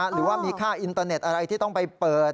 หรือว่ามีค่าอินเตอร์เน็ตอะไรที่ต้องไปเปิด